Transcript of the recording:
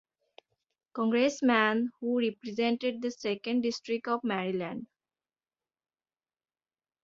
Congressman who represented the second district of Maryland.